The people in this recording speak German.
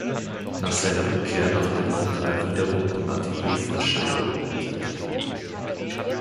Nach seiner Rückkehr nach Berlin war er wiederum im Atelier von Schadow tätig.